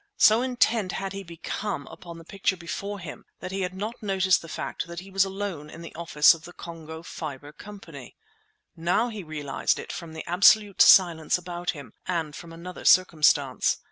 So intent had he become upon the picture before him that he had not noticed the fact that he was alone in the office of the Congo Fibre Company. Now he realized it from the absolute silence about him, and from another circumstance.